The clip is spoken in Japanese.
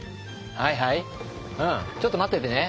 はいはいちょっと待っててね。